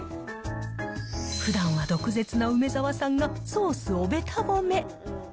ふだんは毒舌な梅沢さんが、ソースをべた褒め。